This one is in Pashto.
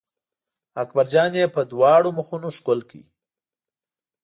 اکبر جان یې په دواړو مخونو ښکل کړ.